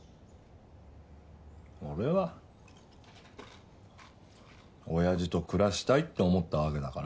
俺はおやじと暮らしたいって思ったわけだから。